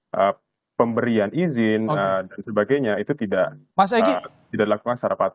nah pemberian izin dan sebagainya itu tidak dilakukan secara patut